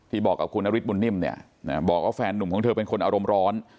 บอกกับคุณนฤทธบุญนิ่มเนี่ยบอกว่าแฟนนุ่มของเธอเป็นคนอารมณ์ร้อน